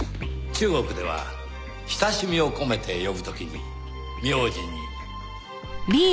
中国では親しみを込めて呼ぶ時に名字に。